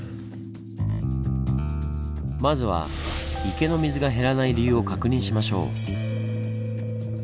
まずは池の水が減らない理由を確認しましょう。